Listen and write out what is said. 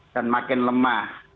dan makin lemah